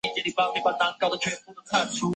雷神索尔手持雷神之锤对上耶梦加得。